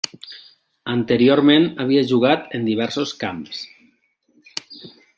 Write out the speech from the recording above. Anteriorment havia jugat en diversos camps.